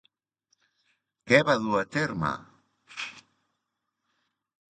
Què va dur a terme?